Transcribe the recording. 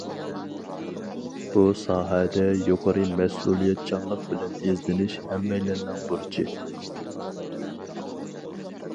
بۇ ساھەدە يۇقىرى مەسئۇلىيەتچانلىق بىلەن ئىزدىنىش ھەممەيلەننىڭ بۇرچى.